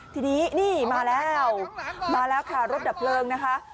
ทีนี้นี่มาแล้วมาแล้วค่ะรถดับเพลิงนะคะ